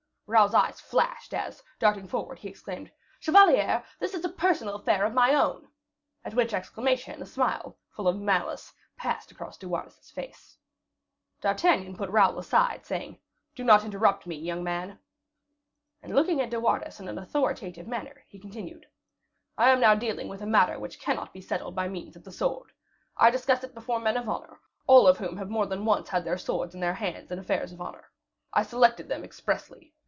Raoul's eyes flashed, as, darting forward, he exclaimed, "Chevalier, this is a personal affair of my own!" At which exclamation, a smile, full of malice, passed across De Wardes's face. D'Artagnan put Raoul aside, saying, "Do not interrupt me, young man." And looking at De Wardes in an authoritative manner, he continued: "I am now dealing with a matter which cannot be settled by means of the sword. I discuss it before men of honor, all of whom have more than once had their swords in their hands in affairs of honor. I selected them expressly.